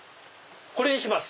これにします。